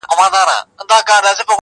شمع چي لمبه نه سي رڼا نه وي؛